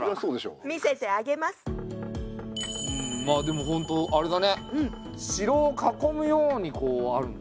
まあでもほんとあれだね城を囲むようにこうあるんだね。